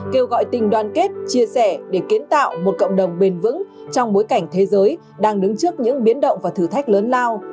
kêu gọi tình đoàn kết chia sẻ để kiến tạo một cộng đồng bền vững trong bối cảnh thế giới đang đứng trước những biến động và thử thách lớn lao